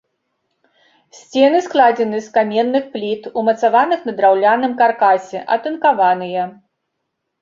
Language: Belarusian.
Сцены складзены з каменных пліт, умацаваных на драўляным каркасе, атынкаваныя.